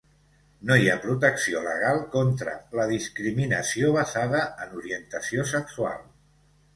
No hi ha protecció legal contra la discriminació basada en orientació sexual.